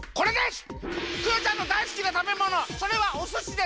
クヨちゃんのだいすきなたべものそれはおすしです！